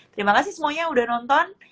terima kasih semuanya udah nonton